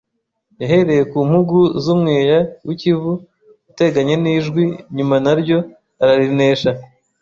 Yahereye ku mpugu z’umweya w’i Kivu uteganye n’Ijwi nyuma na ryo ararinesha